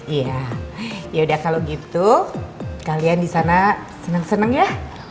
iya yaudah kalo gitu kalian di sana seneng seneng ya